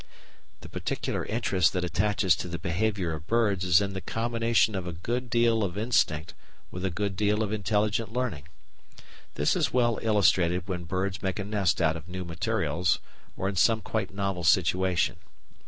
The particular interest that attaches to the behaviour of birds is in the combination of a good deal of instinct with a great deal of intelligent learning. This is well illustrated when birds make a nest out of new materials or in some quite novel situation.